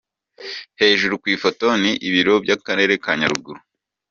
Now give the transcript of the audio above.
Hejuru ku ifoto ni ibiro by’Akarere ka Nyaruguru.